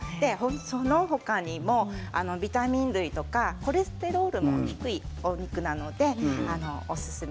その他にもビタミン類とかコレステロールが低いお肉なのでおすすめ。